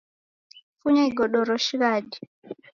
Funya igodoro shighadi.